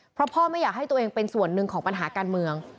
เพราะพ่อไม่อยากให้ตัวเองเป็นส่วนหนึ่งของปัญหาการเมือง